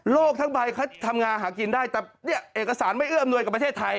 โลกทั้งใบทำงานหากินได้แต่เอกสารไม่เอื้อมนวยกับประเทศไทย